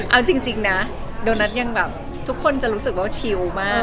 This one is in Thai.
เอาจริงนะโดนัทยังแบบทุกคนจะรู้สึกว่าชิลมาก